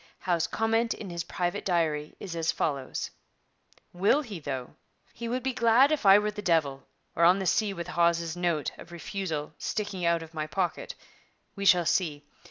Howe's comment in his private diary is as follows: 'Will he, though? He would be glad if I were with the devil, or on the sea with Hawes's note [of refusal] sticking out of my pocket. We shall see.